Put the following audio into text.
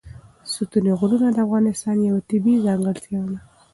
ستوني غرونه د افغانستان یوه طبیعي ځانګړتیا ده.